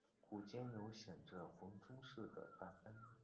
股间有显着的红棕色的大斑。